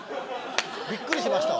びっくりしましたわ。